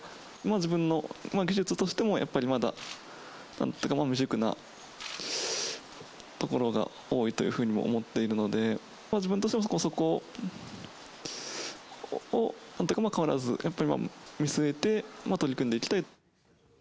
自分の技術としてもやっぱりまだ未熟なところが多いというふうにも思っているので、自分としても、そこは変わらず、やっぱり見据えて、取り組んでいきたい。